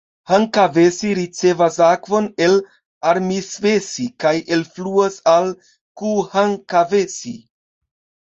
Hankavesi ricevas akvon el Armisvesi kaj elfluas al Kuuhankavesi.